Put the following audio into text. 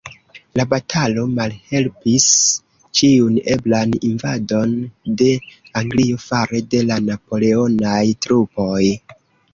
La batalo malhelpis ĉiun eblan invadon de Anglio fare de la napoleonaj trupoj.